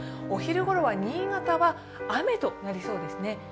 お昼ごろは新潟は雨となりそうですね。